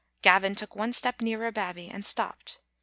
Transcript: Gavin took .one step nearer Babbie and stopped.